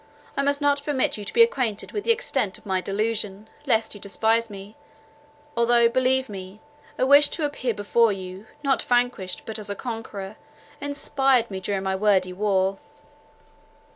I must not permit you to be acquainted with the extent of my delusion, lest you despise me; although, believe me, a wish to appear before you, not vanquished, but as a conqueror, inspired me during my wordy war."